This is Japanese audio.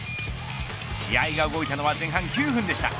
試合が動いたのは前半９分でした。